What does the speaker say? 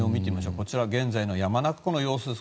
こちら現在の山中湖の様子です。